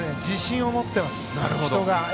自信を持ってます、人が。